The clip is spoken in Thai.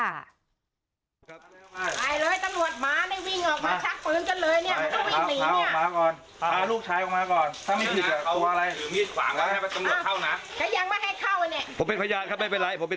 ตายเลยตำรวจหมาไม่วิ่งออกมาชักปืนกันเลยเนี่ย